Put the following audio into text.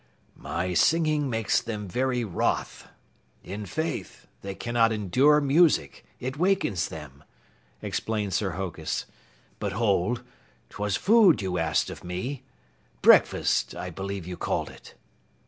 "My singing makes them very wroth. In faith, they cannot endure music; it wakens them," explained Sir Hokus. "But hold, 'twas food you asked of me. Breakfast, I believe you called it."